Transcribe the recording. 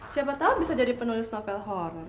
siapa tahu bisa jadi penulis novel horror